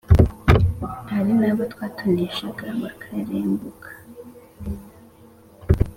hari n’abo bwatoneshaga bakarenguka.